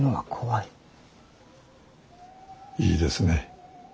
いいですね。